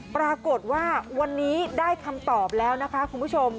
ปรากฏว่าวันนี้ได้คำตอบแล้วนะคะคุณผู้ชม